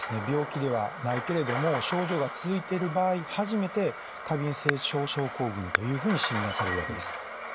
病気ではないけれども症状が続いている場合初めて過敏性腸症候群というふうに診断されるわけです。